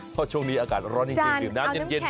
เพราะช่วงนี้อากาศร้อนยิ่งเย็นดื่มน้ำเย็นชื่นใจ